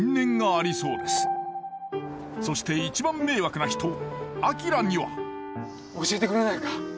そして一番迷惑な人明には教えてくれないか？